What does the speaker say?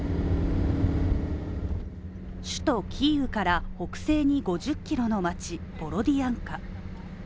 首都キーウから北西に５０ｋｍの街ボロディアンカ。